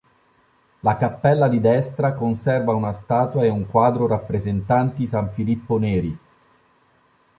La cappella di destra conserva una statua e un quadro rappresentanti San Filippo Neri.